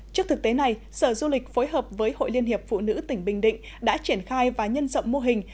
trước thực tế này sở du lịch phối hợp với hội liên hiệp phụ nữ tỉnh bình định đã triển khai và nhân rộng mô hình